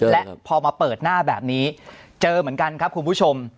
และพอมาเปิดหน้าแบบนี้เจอเหมือนกันครับคุณผู้ชม